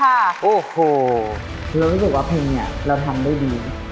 โอ้โหเรารู้สึกว่าเพลงนี้เราทำได้ดี